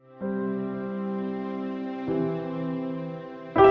hari yang keempat